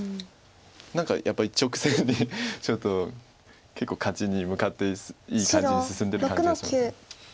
何かやっぱり直線にちょっと結構勝ちに向かっていい感じに進んでる感じがします。